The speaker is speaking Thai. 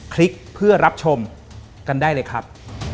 คลิกเพื่อรับชมกันได้เลยครับ